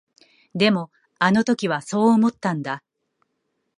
でも、あの時はそう思ったんだ。